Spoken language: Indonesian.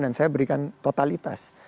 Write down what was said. dan saya berikan totalitas